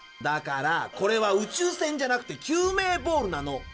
だからこれは宇宙船じゃなくて救命ボールなの。